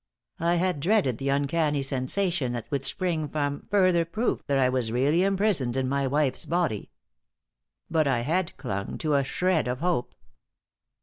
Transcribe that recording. I had dreaded the uncanny sensation that would spring from further proof that I was really imprisoned in my wife's body. But I had clung to a shred of hope.